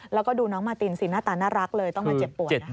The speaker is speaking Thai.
แล้วก็ดูน้องมาตินสิหน้าตาน่ารักเลยต้องมาเจ็บปวดนะคะ